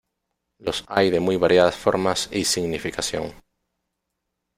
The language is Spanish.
Los hay de muy variadas formas y significación.